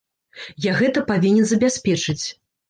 Я гэта павінен забяспечыць.